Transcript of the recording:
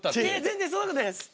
全然そんなことないです。